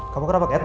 kamu kenapa kat